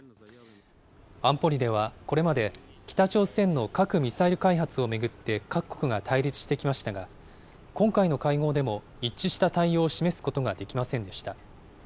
安保理ではこれまで、北朝鮮の核・ミサイル開発を巡って各国が対立してきましたが、今回の会合でも一致した対応を示すことができませんでした。